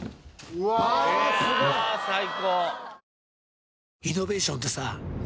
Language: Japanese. うわあ最高！